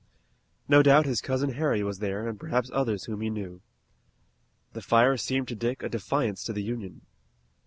No doubt his cousin Harry was there and perhaps others whom he knew. The fires seemed to Dick a defiance to the Union.